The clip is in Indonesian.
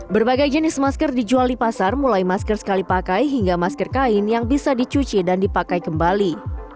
berbagai jenis masker dijual di pasar mulai masker sekali pakai hingga masker kain yang bisa dicuci dan dipakai kembali